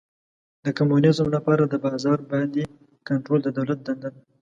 د کمونیزم لپاره د بازار باندې کنټرول د دولت دنده ده.